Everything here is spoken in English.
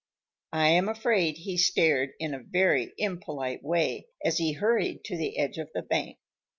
I am afraid he stared in a very impolite way as he hurried to the edge of the bank.